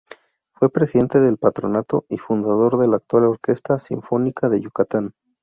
Fue presidente del patronato y fundador de la actual Orquesta Sinfónica de Yucatán.